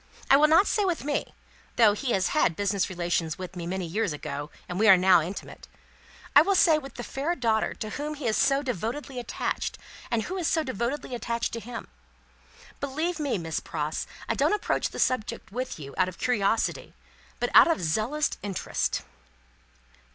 I will not say with me, though he had business relations with me many years ago, and we are now intimate; I will say with the fair daughter to whom he is so devotedly attached, and who is so devotedly attached to him? Believe me, Miss Pross, I don't approach the topic with you, out of curiosity, but out of zealous interest."